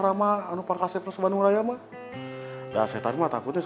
jangan lagi karena kita sudah memutuskan untuk putus